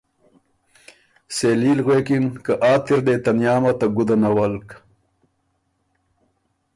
سېلي ل غوېکِن که ”آ تِر دې تنیامه ته ګُده نولک؟“